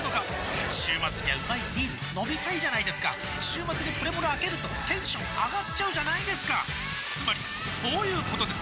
週末にはうまいビール飲みたいじゃないですか週末にプレモルあけるとテンション上がっちゃうじゃないですかつまりそういうことです！